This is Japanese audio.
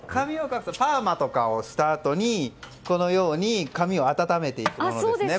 パーマとかをした時にこのように髪を温めていくものですね。